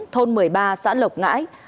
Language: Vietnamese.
thôn một mươi ba xã lộc ngãi